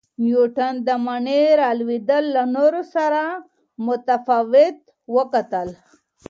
نیوټن د مڼې را لویدل له نورو سره متفاوت وکتل.